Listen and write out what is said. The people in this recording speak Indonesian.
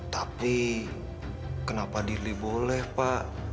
tapi kenapa diri boleh pak